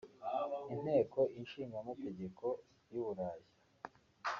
Inteko Inshinga Amategeko y’u Burayi